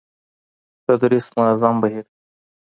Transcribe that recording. تدريس منظم بهير دی.